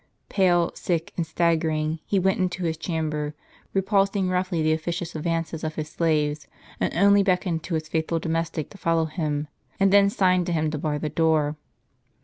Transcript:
Pale, sick, and staggering, he went into his chamber, repulsing roughly the of&cious advances of his slaves ; and only beckoned to his faithful domestic to follow him, and then signed to him to bar the door.